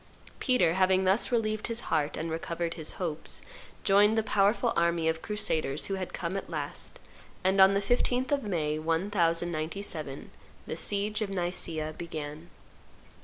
Peter, having thus relieved his heart and recovered his hopes, joined the powerful army of crusaders who had come at last; and, on the 15th of May, 1097, the siege of Nicaea began.